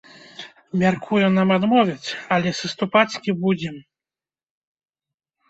Мяркую, нам адмовяць, але саступаць не будзем.